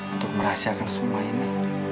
untuk merahsiakan semua ini